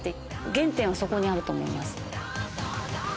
原点はそこにあると思います。